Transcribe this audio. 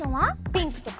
ピンクとか？